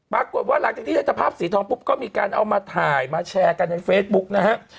ปรากฏว่าหลังจากที่ได้แต่ภาพสีทองปุ๊บก็มีการเอามาถ่ายมาแชร์กันในเฟซบุ๊กนะฮะ